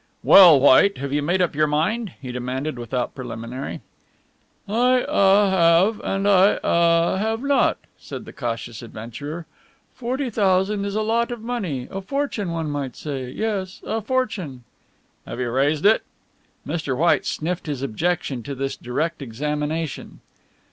"Well, White, have you made up your mind?" he demanded without preliminary. "I ah have and I ah have not," said the cautious adventurer. "Forty thousand is a lot of money a fortune, one might say yes, a fortune." "Have you raised it?" Mr. White sniffed his objection to this direct examination.